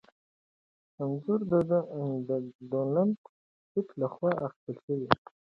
انځور د ډونلډ پېټټ لخوا اخیستل شوی.